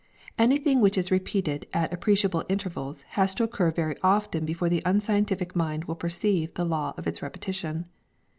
Anything which is repeated at appreciable intervals has to occur very often before the unscientific mind will perceive the law of its repetition.